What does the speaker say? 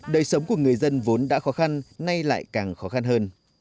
đời sống của người dân vốn đã khó khăn nay lại càng khó khăn hơn